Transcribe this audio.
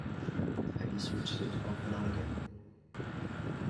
Have you switched it off and on again?